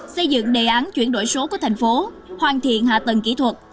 xây dựng đề án chuyển đổi số của thành phố hoàn thiện hạ tầng kỹ thuật